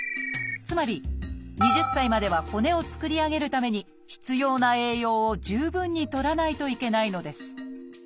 つまり２０歳までは骨を作り上げるために必要な栄養を十分にとらないといけないのです。